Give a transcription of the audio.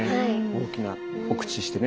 大きなお口してね。